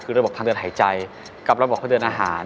คือระบบทางเดินหายใจกับระบบทางเดินอาหาร